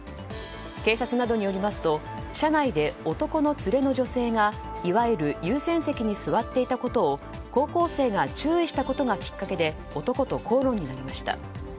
警察などのよりますと車内で男の連れの女性がいわゆる優先席に座っていたことを高校生が注意したことがきっかけで男と口論になりました。